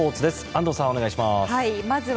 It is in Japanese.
安藤さん、お願いします。